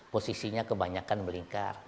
posisinya kebanyakan melingkar